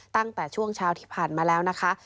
ตั้งแต่ช่วงเช้าที่ผ่านมาแล้วนะคะ